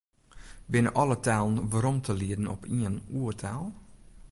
Binne alle talen werom te lieden op ien oertaal?